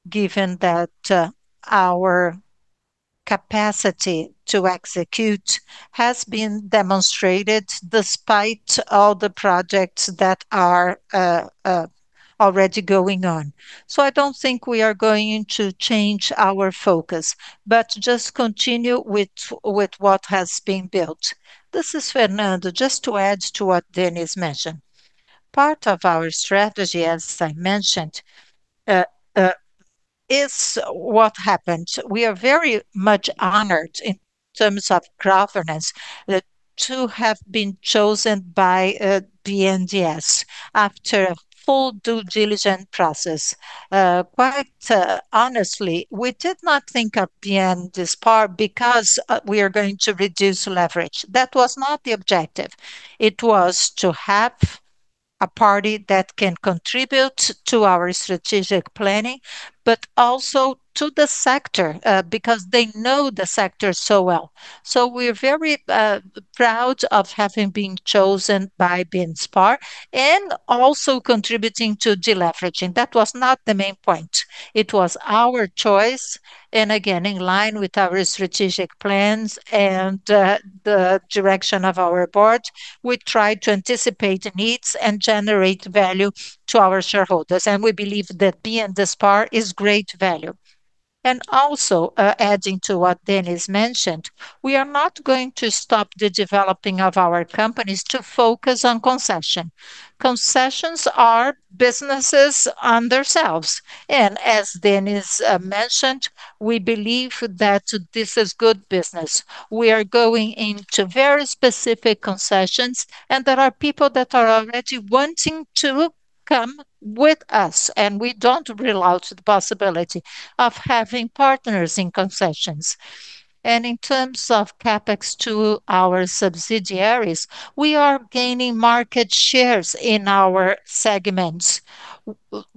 given that our capacity to execute has been demonstrated despite all the projects that are already going on. I don't think we are going to change our focus, but just continue with what has been built. This is Fernando. Just to add to what Denys mentioned. Part of our strategy, as I mentioned, is what happened. We are very much honored in terms of governance to have been chosen by BNDESPAR after a full due diligence process. Quite honestly, we did not think of BNDESPAR because we are going to reduce leverage. That was not the objective. It was to have a party that can contribute to our strategic planning, but also to the sector because they know the sector so well. We're very proud of having been chosen by BNDESPAR and also contributing to deleveraging. That was not the main point. It was our choice, and again, in line with our strategic plans and the direction of our board. We try to anticipate needs and generate value to our shareholders, and we believe that BNDESPAR is great value. Adding to what Denys mentioned, we are not going to stop the developing of our companies to focus on concession. Concessions are businesses on themselves, and as Denys mentioned, we believe that this is good business. We are going into very specific concessions, and there are people that are already wanting to come with us, and we don't rule out the possibility of having partners in concessions. In terms of CapEx to our subsidiaries, we are gaining market shares in our segments.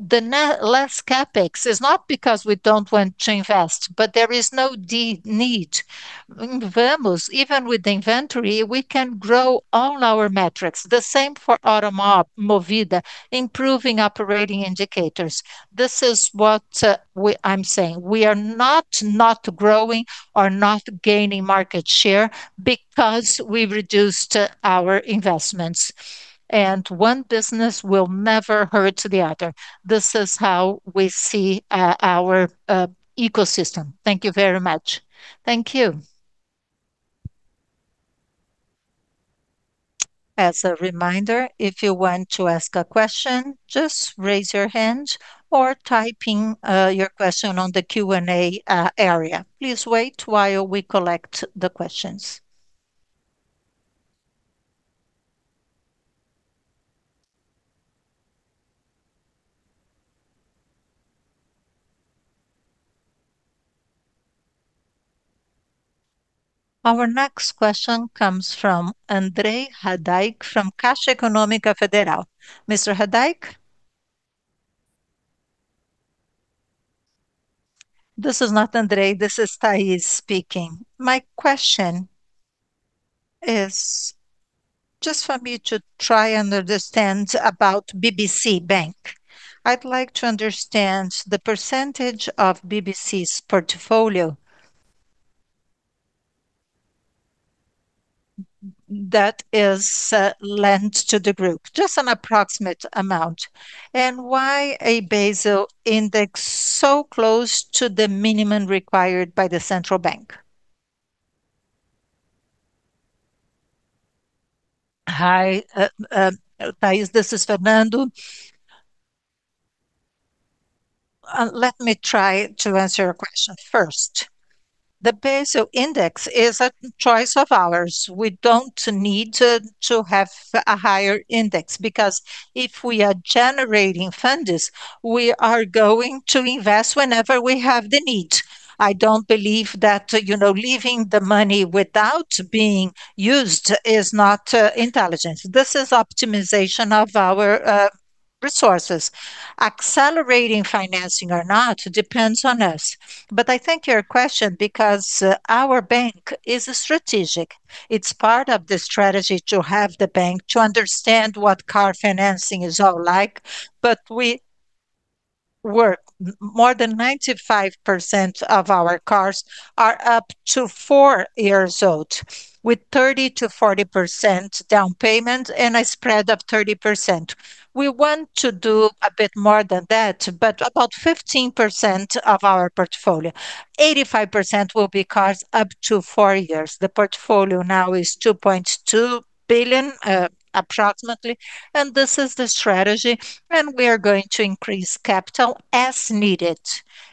Less CapEx is not because we don't want to invest, but there is no need. In Vamos, even with the inventory, we can grow all our metrics. The same for Automob, improving operating indicators. This is what I'm saying. We are not growing or not gaining market share because we reduced our investments. One business will never hurt the other. This is how we see our ecosystem. Thank you very much. Thank you. As a reminder, if you want to ask a question, just raise your hand or type in your question on the Q&A area. Please wait while we collect the questions. Our next question comes from André Hadad from Caixa Econômica Federal. Mr. Hadad. This is not André. This is Thais speaking. My question is just for me to try and understand about BBC Bank. I'd like to understand the percentage of BBC's portfolio that is lent to the group. Just an approximate amount. Why a Basel Index so close to the minimum required by the Central Bank? Hi, Thais. This is Fernando. Let me try to answer your question first. The Basel Index is a choice of ours. We don't need to have a higher index because if we are generating funds, we are going to invest whenever we have the need. I don't believe that, you know, leaving the money without being used is not intelligent. This is optimization of our resources. Accelerating financing or not depends on us, but I thank your question because our bank is strategic. It's part of the strategy to have the bank to understand what car financing is all like, but we're more than 95% of our cars are up to four years old with 30%-40% down payment and a spread of 30%. We want to do a bit more than that, but about 15% of our portfolio. 85% will be cars up to four years. The portfolio now is 2.2 billion, approximately, and this is the strategy, and we are going to increase capital as needed.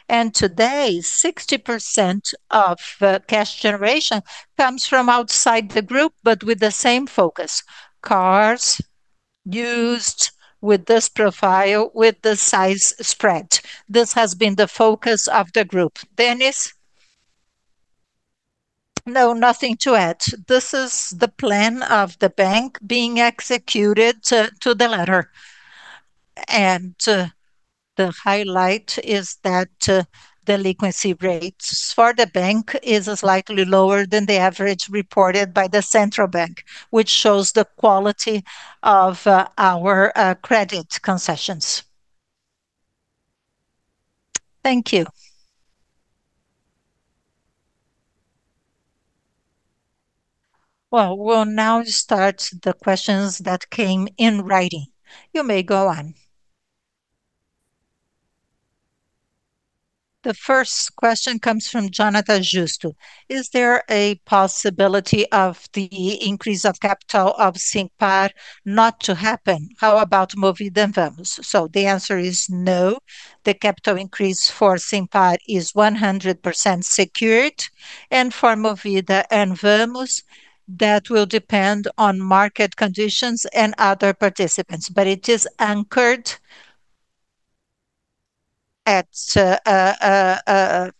Today, 60% of cash generation comes from outside the group but with the same focus: cars used with this profile with the size spread. This has been the focus of the group. Denys? No, nothing to add. This is the plan of the bank being executed to the letter. The highlight is that delinquency rates for the bank is slightly lower than the average reported by the Central Bank, which shows the quality of our credit concessions. Thank you. Well, we'll now start the questions that came in writing. You may go on. The first question comes from Jonathan Justo: Is there a possibility of the increase of capital of Simpar not to happen? How about Movida and Vamos? The answer is no. The capital increase for Simpar is 100% secured, and for Movida and Vamos, that will depend on market conditions and other participants. It is anchored at 75%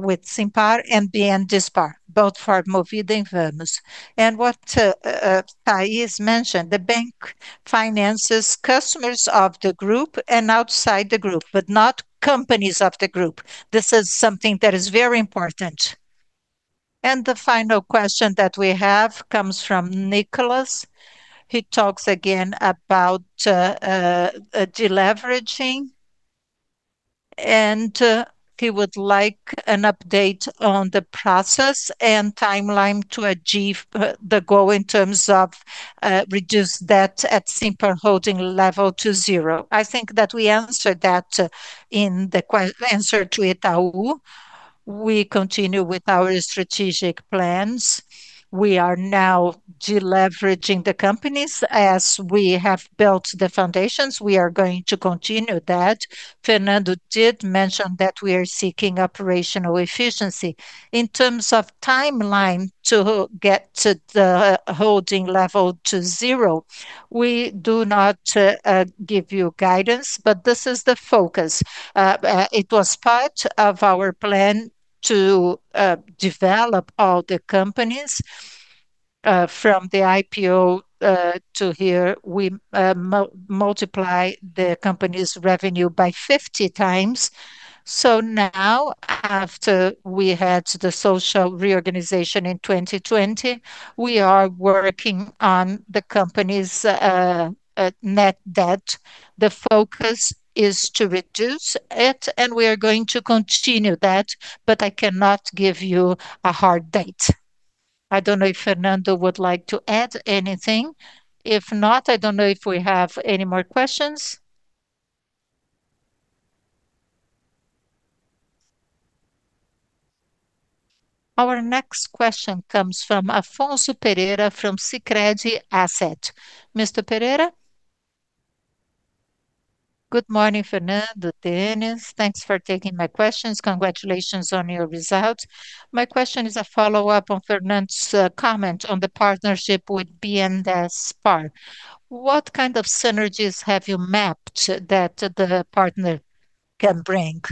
with Simpar and BNDESPAR, both for Movida and Vamos. What Thais mentioned, the bank finances customers of the group and outside the group, but not companies of the group. This is something that is very important. The final question that we have comes from Nicholas. He talks again about deleveraging, and he would like an update on the process and timeline to achieve the goal in terms of reduce debt at Simpar holding level to zero. I think that we answered that in the answer to Itaú. We continue with our strategic plans. We are now deleveraging the companies. As we have built the foundations, we are going to continue that. Fernando did mention that we are seeking operational efficiency. In terms of timeline to get to the holding level to zero, we do not give you guidance, but this is the focus. It was part of our plan to develop all the companies from the IPO to here. We multiply the company's revenue by 50x. Now after we had the social reorganization in 2020, we are working on the company's net debt. The focus is to reduce it, and we are going to continue that, but I cannot give you a hard date. I don't know if Fernando would like to add anything. If not, I don't know if we have any more questions. Our next question comes from Alfonso Pereira from Sicredi Asset. Mr. Pereira? Good morning, Fernando, Denys. Thanks for taking my questions. Congratulations on your results. My question is a follow-up on Fernando's comment on the partnership with BNDESPAR. What kind of synergies have you mapped that the partner can bring?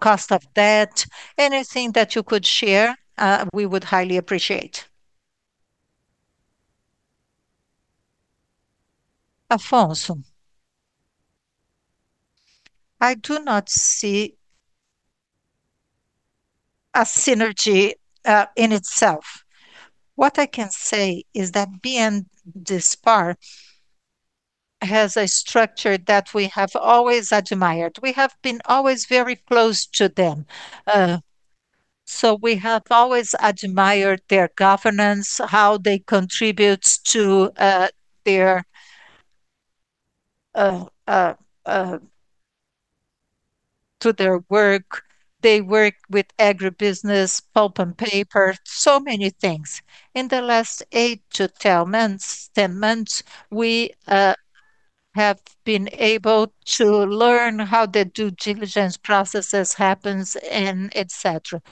Cost of debt, anything that you could share, we would highly appreciate. Alfonso, I do not see a synergy in itself. What I can say is that BNDESPAR has a structure that we have always admired. We have been always very close to them. We have always admired their governance, how they contribute to their work. They work with agribusiness, pulp and paper, so many things. In the last 8-10 months, we have been able to learn how the due diligence processes happens and et cetera.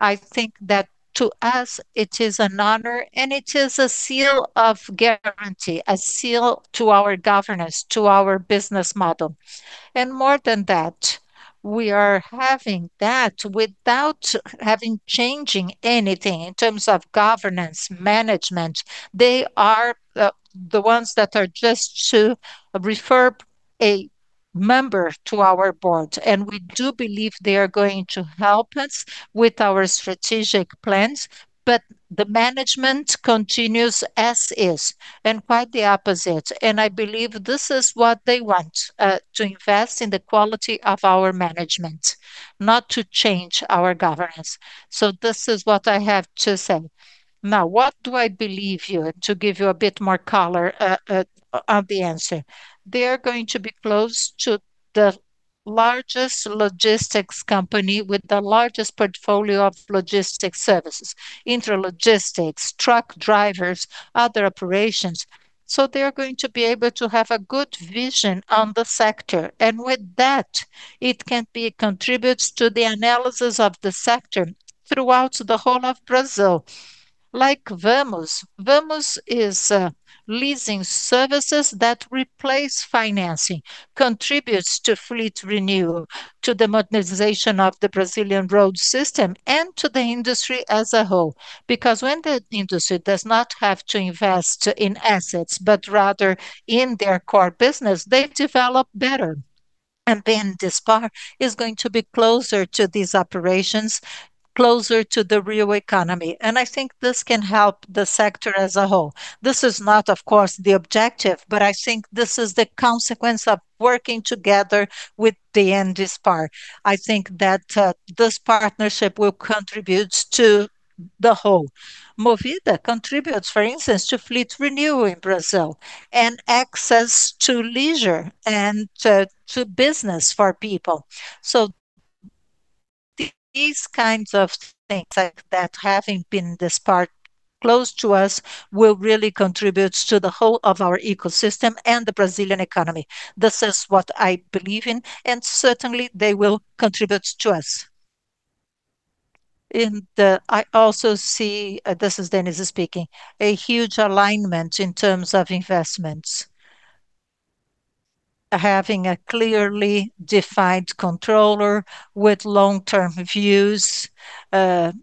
I think that to us it is an honor, and it is a seal of guarantee, a seal to our governance, to our business model. More than that, we are having that without having changing anything in terms of governance, management. They are the ones that are just to refer a member to our board, and we do believe they are going to help us with our strategic plans, but the management continues as is, and quite the opposite. I believe this is what they want to invest in the quality of our management, not to change our governance. This is what I have to say. Now, to give you a bit more color on the answer. They are going to be close to the largest logistics company with the largest portfolio of logistics services, intralogistics, truck drivers, other operations. They're going to be able to have a good vision on the sector. With that, it can contribute to the analysis of the sector throughout the whole of Brazil. Like Vamos. Vamos is leasing services that replace financing, contributes to fleet renewal, to the modernization of the Brazilian road system, and to the industry as a whole. When the industry does not have to invest in assets, but rather in their core business, they develop better. BNDESPAR is going to be closer to these operations, closer to the real economy. I think this can help the sector as a whole. This is not, of course, the objective, but I think this is the consequence of working together with BNDESPAR. I think that this partnership will contribute to the whole. Movida contributes, for instance, to fleet renewal in Brazil and access to leisure and to business for people. These kinds of things like that, having BNDESPAR close to us will really contribute to the whole of our ecosystem and the Brazilian economy. This is what I believe in, and certainly they will contribute to us. I also see, this is Denys speaking, a huge alignment in terms of investments. Having a clearly defined controller with long-term views, and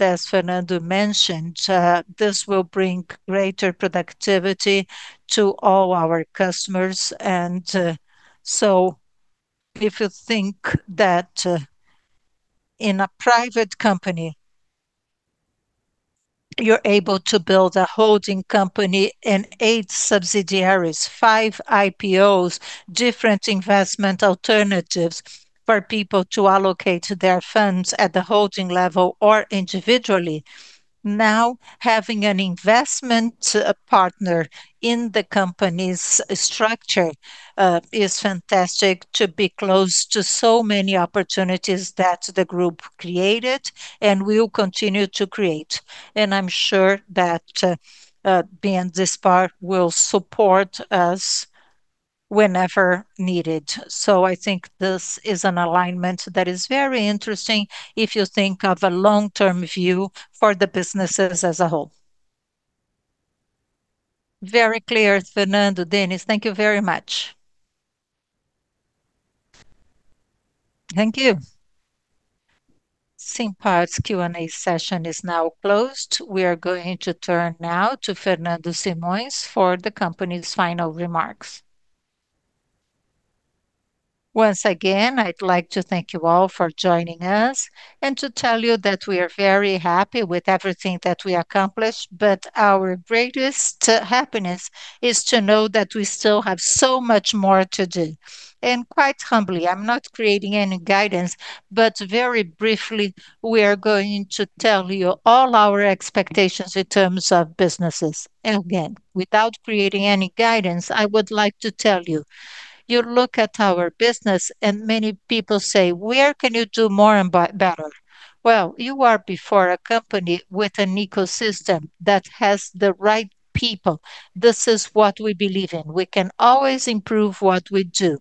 as Fernando mentioned, this will bring greater productivity to all our customers. If you think that in a private company you're able to build a holding company and 8 subsidiaries, 5 IPOs, different investment alternatives for people to allocate their funds at the holding level or individually. Now, having an investment partner in the company's structure is fantastic to be close to so many opportunities that the group created and will continue to create. I'm sure that BNDESPAR will support us whenever needed. I think this is an alignment that is very interesting if you think of a long-term view for the businesses as a whole. Very clear, Fernando Simões, Denys, thank you very much. Thank you. Simpar's Q&A session is now closed. We are going to turn now to Fernando Simões for the company's final remarks. Once again, I'd like to thank you all for joining us, and to tell you that we are very happy with everything that we accomplished, but our greatest happiness is to know that we still have so much more to do. Quite humbly, I'm not creating any guidance, but very briefly we are going to tell you all our expectations in terms of businesses. Again, without creating any guidance, I would like to tell you look at our business and many people say, "Where can you do more and better?" Well, you are before a company with an ecosystem that has the right people. This is what we believe in. We can always improve what we do.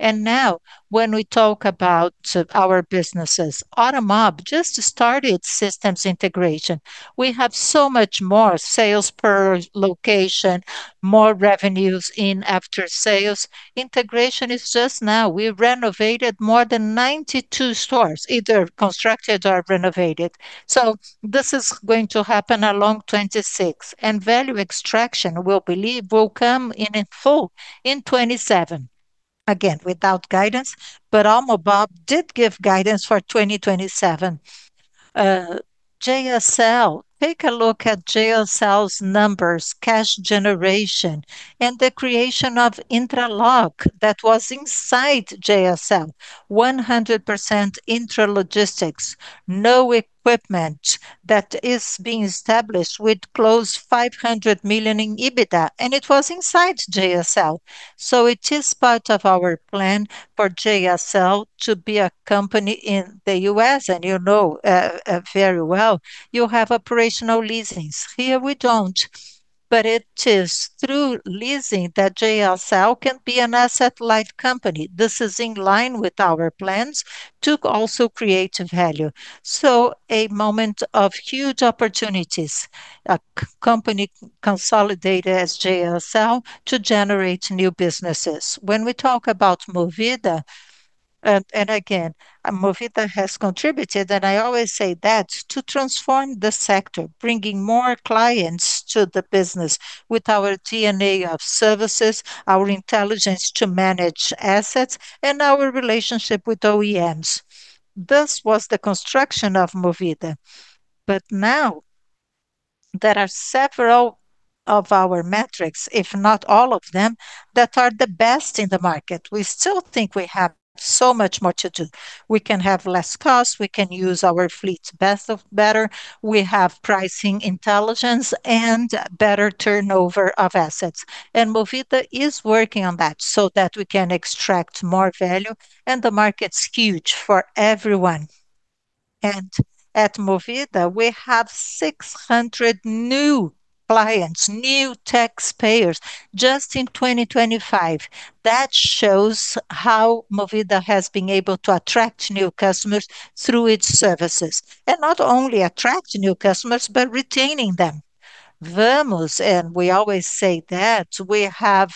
Now when we talk about our businesses, Automob just started systems integration. We have so much more sales per location, more revenues in after sales. Integration is just now. We renovated more than 92 stores, either constructed or renovated. This is going to happen along 2026, and value extraction we believe will come in in full in 2027. Again, without guidance, but Automob did give guidance for 2027. JSL, take a look at JSL's numbers, cash generation, and the creation of Íntegra that was inside JSL. 100% intralogistics. New equipment that is being established with close to 500 million in EBITDA, it was inside JSL. It is part of our plan for JSL to be a company in the U.S. You know very well, you have operational leasings. Here we don't. It is through leasing that JSL can be an asset-light company. This is in line with our plans to also create value. It is a moment of huge opportunities. A company consolidated as JSL to generate new businesses. When we talk about Movida, and again, Movida has contributed, I always say that, to transform the sector, bringing more clients to the business with our DNA of services, our intelligence to manage assets, and our relationship with OEMs. This was the construction of Movida. Now there are several of our metrics, if not all of them, that are the best in the market. We still think we have so much more to do. We can have less costs, we can use our fleet's best or better. We have pricing intelligence and better turnover of assets. Movida is working on that so that we can extract more value, and the market's huge for everyone. At Movida we have 600 new clients, new taxpayers just in 2025. That shows how Movida has been able to attract new customers through its services, not only attract new customers, but retaining them. Vamos, we always say that, we have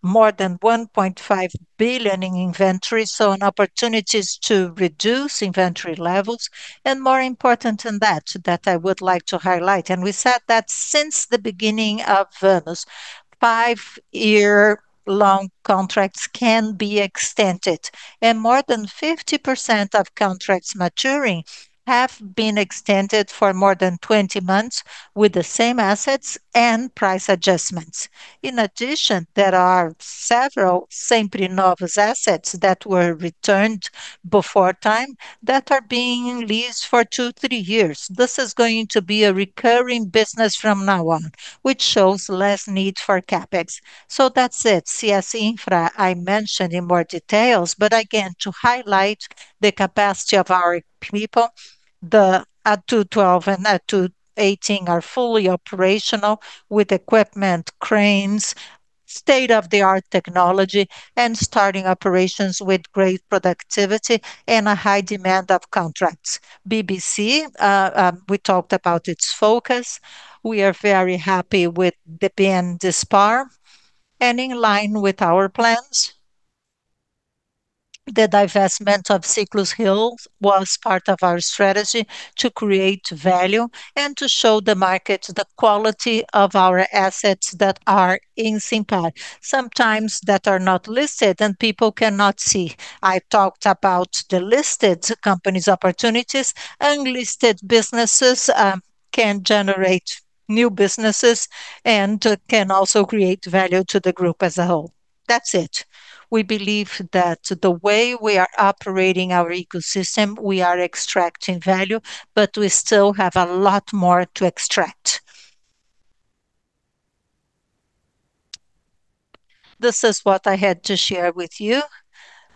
more than 1.5 billion in inventory, so many opportunities to reduce inventory levels. More important than that I would like to highlight, and we said that since the beginning of Vamos, 5 year long contracts can be extended, and more than 50% of contracts maturing have been extended for more than 20 months with the same assets and price adjustments. In addition, there are several Sempre Novas assets that were returned before time that are being leased for two, three years. This is going to be a recurring business from now on, which shows less need for CapEx. That's it. CS Infra, I mentioned in more details, but again, to highlight the capacity of our people, the ATU12 and ATU18 are fully operational with equipment, cranes, state-of-the-art technology, and starting operations with great productivity and a high demand of contracts. BBC, we talked about its focus. We are very happy with the BNDESPAR. In line with our plans, the divestment of Ciclus Health was part of our strategy to create value and to show the market the quality of our assets that are in Simpar. Sometimes that are not listed and people cannot see. I talked about the listed companies opportunities. Unlisted businesses can generate new businesses and can also create value to the group as a whole. That's it. We believe that the way we are operating our ecosystem, we are extracting value, but we still have a lot more to extract. This is what I had to share with you.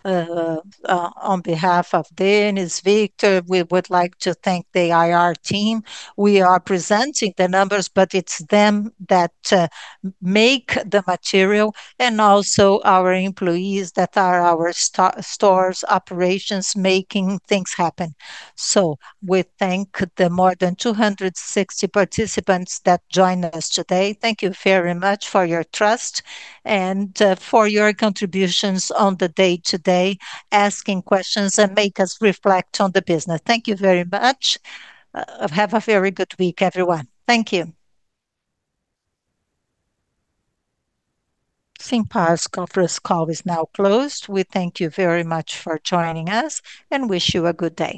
On behalf of Denys Ferrez, Victor, we would like to thank the IR team. We are presenting the numbers, but it's them that make the material and also our employees that are our stores, operations, making things happen. We thank the more than 260 participants that joined us today. Thank you very much for your trust and, for your contributions on the day-to-day, asking questions that make us reflect on the business. Thank you very much. Have a very good week, everyone. Thank you. Simpar's conference call is now closed. We thank you very much for joining us and wish you a good day.